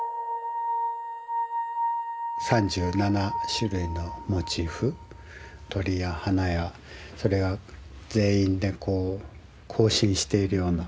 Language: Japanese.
３７種類のモチーフ鳥や花やそれが全員でこう行進しているような。